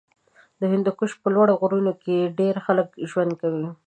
د هندوکش په لوړو غرونو کې ډېری خلک ژوند کوي.